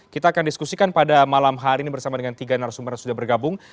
kita akan diskusikan pada malam hari ini bersama dengan tiga narasumber yang sudah bergabung